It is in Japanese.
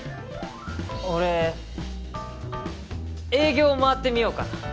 俺営業回ってみようかな。